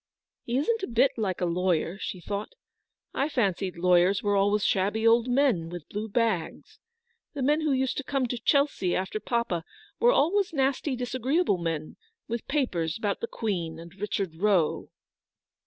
" He isn't a bit like a lawyer/' she thought ;" I fancied lawyers were always shabby old men, with blue bags. The men who used to come to Chelsea after papa were always nasty disagreeable men, with papers about the Queen and Richard Roe."